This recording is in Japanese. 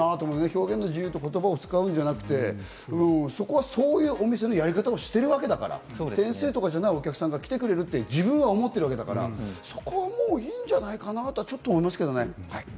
表現の自由という言葉を使うんじゃなくて、そこはそういうお店のやり方をしているわけだから、点数とかじゃないお客さんが来てくれると自分は思っているわけだから、そこはもういいんじゃないかなと思いますけどね。